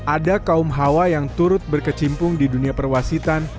ada kaum hawa yang turut berkecimpung di dunia perwasitan